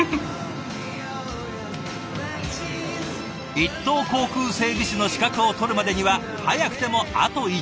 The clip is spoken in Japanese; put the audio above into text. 一等航空整備士の資格を取るまでには早くてもあと１年。